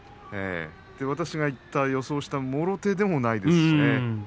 私が予想したもろ手でもないですしね。